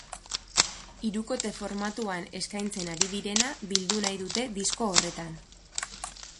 Hirukote formatuan eskaintzen ari direna bildu nahi dute disko horretan.